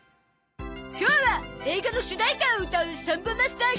今日は映画の主題歌を歌うサンボマスターが登場！